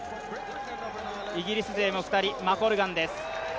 イギリス勢も２人、マコルガンです。